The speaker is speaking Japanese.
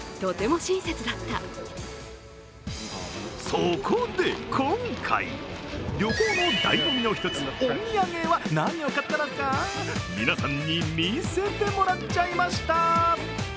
そこで今回、旅行のだいご味の一つ、お土産は何を買ったのか、皆さんに見せてもらっちゃいました。